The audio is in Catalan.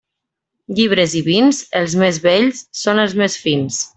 Llibres i vins, els més vells són els més fins.